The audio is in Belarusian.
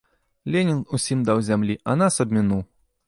Ленін усім даў зямлі, а нас абмінуў.